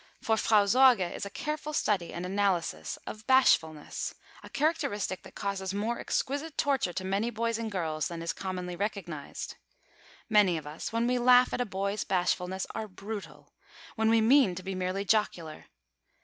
For Frau Sorge is a careful study and analysis of bashfulness, a characteristic that causes more exquisite torture to many boys and girls than is commonly recognised. Many of us, when we laugh at a boy's bashfulness, are brutal, when we mean to be merely jocular.